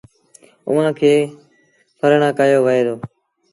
اُئآݩ کي ڦرڙآ ڪهيو وهي دو۔